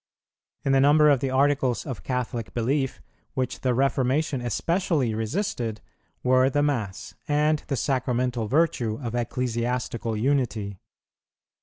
In the number of the articles of Catholic belief which the Reformation especially resisted, were the Mass and the sacramental virtue of Ecclesiastical Unity.